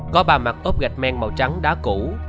có ba mặt ốp gạch men màu trắng đá cũ